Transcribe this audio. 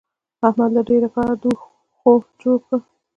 احمد له دې کاره د اوښ غوو جوړ کړل.